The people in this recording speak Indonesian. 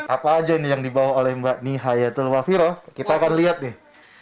apa aja yang dibawa oleh mbak nihaya telwafiro kita akan lihat nih